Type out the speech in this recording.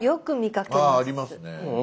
あありますね。